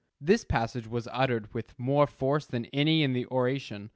'" This passage was uttered with more force than any in the oration.